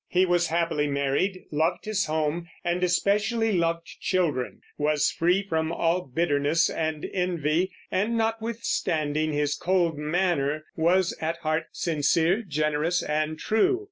He was happily married, loved his home, and especially loved children, was free from all bitterness and envy, and, notwithstanding his cold manner, was at heart sincere, generous, and true.